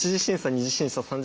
２次審査